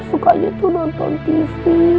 sukanya tuh nonton tv